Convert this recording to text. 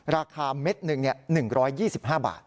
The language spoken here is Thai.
ราคาเม็ดหนึ่ง๑๒๕บาท